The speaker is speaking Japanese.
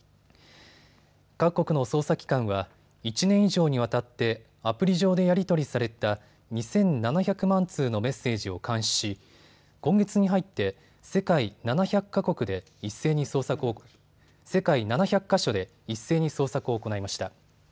各国の捜査機関は１年以上にわたってアプリ上でやり取りされた２７００万通のメッセージを監視し今月に入って世界７００か所で一斉に捜索を行いました。